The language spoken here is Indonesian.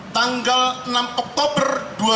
tanggal enam oktober